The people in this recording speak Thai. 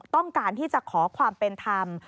ต้องการที่จะขอความเป็นธรรม